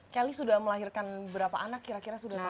kelly sudah melahirkan berapa anak kira kira sudah tahu